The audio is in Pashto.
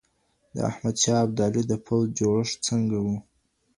د احمد شاه ابدالي د پوځ جوړښت څنګه و؟